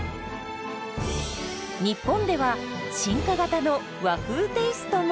日本では進化型の和風テイストも！